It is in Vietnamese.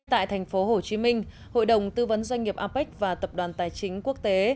tại thành phố hồ chí minh hội đồng tư vấn doanh nghiệp apec và tập đoàn tài chính quốc tế